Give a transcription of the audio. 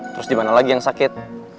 terus dimana lagi yang sakit